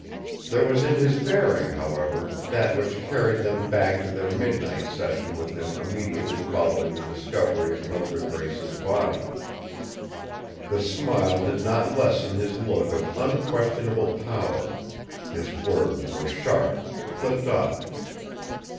There was in his bearing, however, that which carried them back to their midnight session with him immediately following the discovery of Mildred Brace's body. The smile did not lessen his look of unquestionable power; his words were sharp, clipped off.